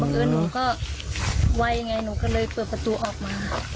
แต่บังเอิญหนูก็ไวไงหนูก็เลยเปิดประตูออกมาอืม